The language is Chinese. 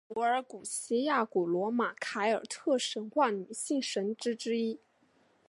柏尔古希亚古罗马凯尔特神话女性神只之一。